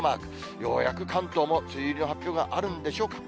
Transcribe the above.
ようやく関東も梅雨入りの発表があるんでしょうか。